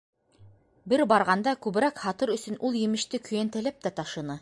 Бер барғанда күберәк һатыр өсөн ул емеште көйәнтәләп тә ташыны.